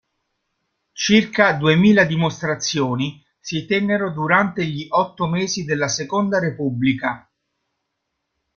Circa duemila dimostrazioni si tennero durante gli otto mesi della seconda repubblica.